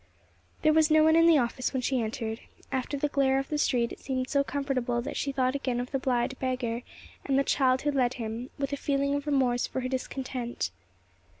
There was no one in the office when she entered. After the glare of the street, it seemed so comfortable that she thought again of the blind beggar and the child who led him, with a feeling of remorse for her discontent.